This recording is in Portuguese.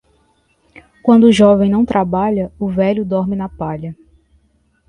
Quando o jovem não trabalha, o velho dorme na palha.